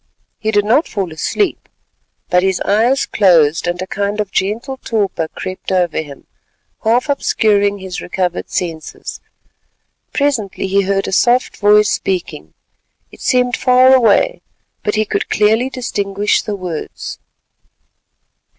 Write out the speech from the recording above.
He did not fall asleep, but his eyes closed, and a kind of gentle torpor crept over him, half obscuring his recovered senses. Presently he heard a soft voice speaking; it seemed far away, but he could clearly distinguish the words.